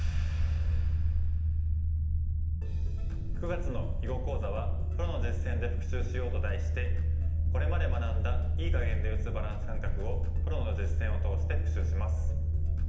９月の囲碁講座は「プロの実戦で復習しよう」と題してこれまで学んだ“いい”かげんで打つバランス感覚をプロの実戦を通して復習します。